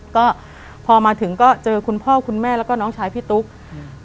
ก็พอมาถึงก็เจอคุณพ่อคุณแม่แล้วก็น้องชายพี่ตุ๊กอืม